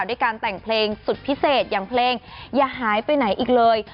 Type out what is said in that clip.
ด้วยการแต่งเพลงสุดพิเศษอย่างเพลงอย่าหายไปไหนอีกเลย